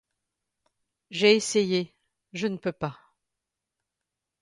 J'ai essayé, je ne peux pas.